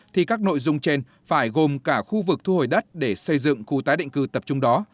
thì các nội dung trên phải gồm cả khu vực thu hồi đất để xây dựng khu tái định cư tập trung đó